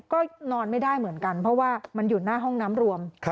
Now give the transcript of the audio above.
ก็นอนไม่ได้เหมือนกันเพราะว่ามันอยู่หน้าห้องน้ำรวม